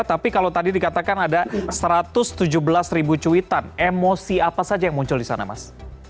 tapi kalau tadi dikatakan ada satu ratus tujuh belas ribu cuitan emosi apa saja yang muncul di sana mas